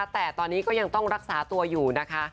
แต่ตอนนี้ก็ยังต้องรักษาตัวอยู่นะคะ